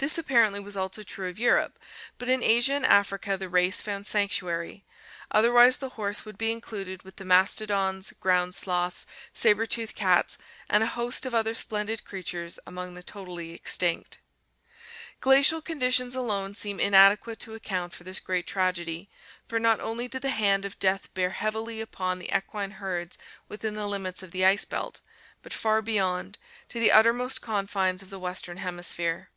This apparently was also tooth of Hipparum. true of Europe but in Asia and Africa the race n^ljj^^00^ found sanctuary, otherwise the horse would be included with the mastodons, ground sloths, saber tooth cats, and a host of other splendid creatures among the totally extinct. Glacial conditions alone seem inadequate to account for this great tragedy, for not only did the hand of death bear heavily upon the equine herds within the limits of the ice belt, but far beyond, to the uttermost confines of the western hemisphere.